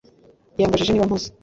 Yambajije niba mpuze